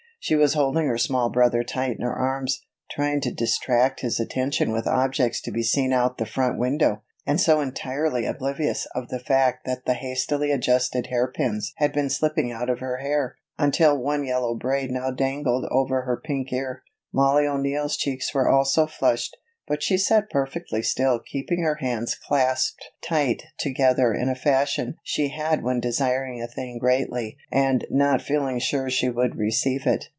She was holding her small brother tight in her arms, trying to distract his attention with objects to be seen out the front window, and so entirely oblivious of the fact that the hastily adjusted hairpins had been slipping out of her hair, until one yellow braid now dangled over her pink ear. Mollie O'Neill's cheeks were also flushed, but she sat perfectly still, keeping her hands clasped tight together in a fashion she had when desiring a thing greatly and not feeling sure she would receive it.